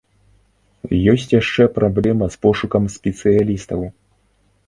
Ёсць яшчэ праблема з пошукам спецыялістаў.